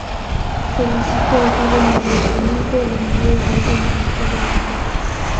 Solicite ayuda inmediatamente o envíe a alguien a buscar ayuda.